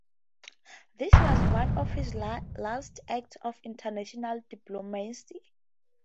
This was one of his last acts of international diplomacy.